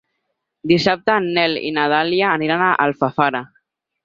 Dissabte en Nel i na Dàlia aniran a Alfafara.